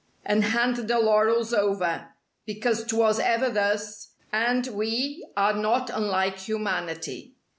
And hand the laurels over; Because 'twas ever thus, and we Are not unlike humanity.